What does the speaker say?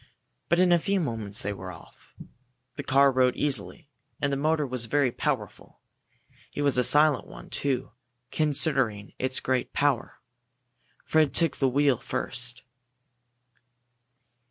But in a few moments they were off. The car rode easily, and the motor was very powerful. It was a silent one, too, considering its great power. Fred took the wheel first.